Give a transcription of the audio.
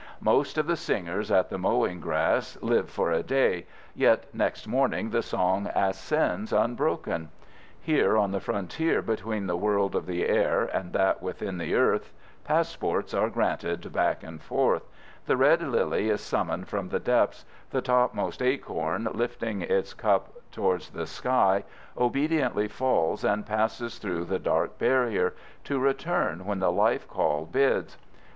Most of the singers in the mowing grass live for a day, yet next morning the song ascends unbroken. Here on the frontier between the world of the air and that within the earth passports are granted back and forth—the red lily is summoned from the depths; the topmost acorn, lifting its cup toward the sky, obediently falls and passes through the dark barrier, to return when the life call bids.